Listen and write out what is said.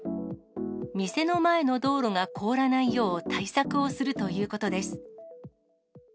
店の前の道路が凍らないよう対策をするということです。